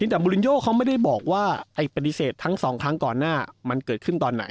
แต่บูลินโยเขาไม่ได้บอกว่าปฏิเสธทั้งสองครั้งก่อนหน้ามันเกิดขึ้นตอนไหน